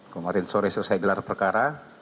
kemarin sore selesai gelar perkara